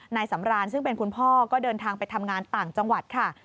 นายสำรานซึ่งเป็นคุณพ่อก็เดินทางไปทำงานต่างจังหวัดค่ะ